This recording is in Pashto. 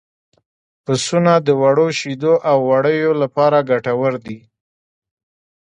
پسونه د وړو شیدو او وړیو لپاره ګټور دي.